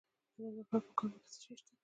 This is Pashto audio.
د ننګرهار په کامه کې څه شی شته؟